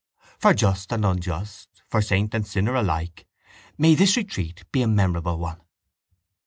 For just and unjust, for saint and sinner alike, may this retreat be a memorable one.